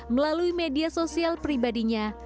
melalui media sosial pribadinya